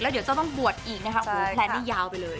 เดี๋ยวจะต้องบวชอีกนะคะโอ้โหแพลนนี่ยาวไปเลย